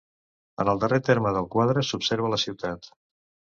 En el darrer terme del quadre s'observa la ciutat.